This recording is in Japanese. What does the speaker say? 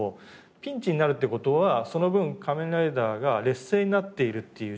ピンチになるっていう事はその分仮面ライダーが劣勢になっているっていう状況でもあるので。